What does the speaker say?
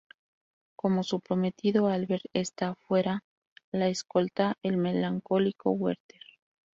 Como su prometido, Albert, está afuera, la escolta el melancólico Werther.